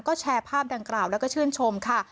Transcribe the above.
ก็แชร์ภาพดังกล่าวแล้วก็ชื่นชมค่ะ